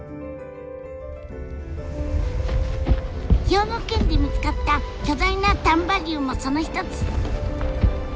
兵庫県で見つかった巨大な丹波竜もその一つ。